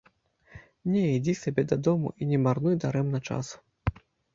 Не, ідзі сабе дадому і не марнуй дарэмна часу.